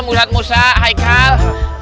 musa musa haikal